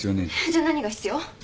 じゃ何が必要？